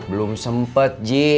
belum sempet ji